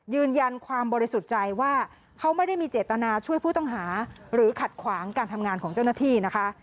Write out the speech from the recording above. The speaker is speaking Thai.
ยืนยันความบริสุทธิ์ใจว่าเขาไม่ได้มีเจตนาช่วยผู้ต้องหาหรือขัดขวางการทำงานของเจ้าหน้าที่นะคะ